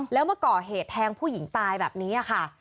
แล้วมาก่อเหตุแทงผู้หญิงตายแบบนี้ค่ะ